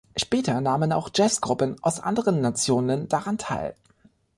Später nahmen auch Jazzgruppen aus anderen Nationen daran teil.